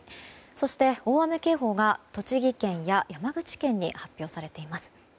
そして大雨警報が栃木県や山口県に発表されています。